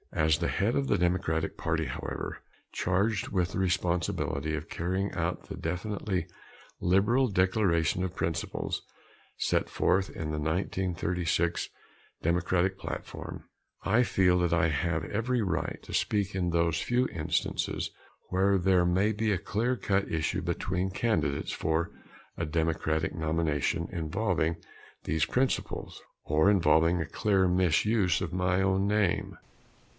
As the head of the Democratic Party, however, charged with the responsibility of carrying out the definitely liberal declaration of principles set forth in the 1936 Democratic platform, I feel that I have every right to speak in those few instances where there may be a clear cut issue between candidates for a Democratic nomination involving these principles, or involving a clear misuse of my own name.